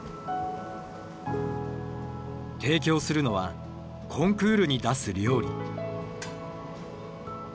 提供するのはコンクールに出す料理。